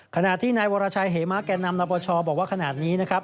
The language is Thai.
ขณะที่นายวรชัยเหมะแก่นำนับประชาบอกว่าขณะนี้นะครับ